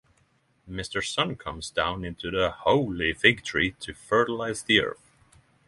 Mr. Sun comes down into the holy fig-tree to fertilize the earth.